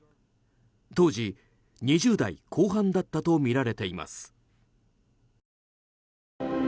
当時２０代後半だったとみられています。